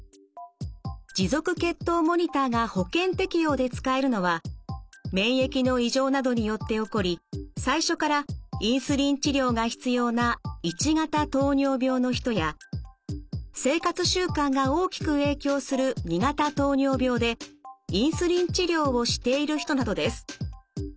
持続血糖モニターが保険適用で使えるのは免疫の異常などによって起こり最初からインスリン治療が必要な１型糖尿病の人や生活習慣が大きく影響する２型糖尿病でインスリン治療をしている人などです。